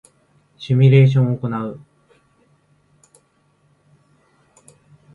シミュレーションを行う